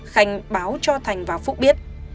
khanh báo cho thành và phúc biết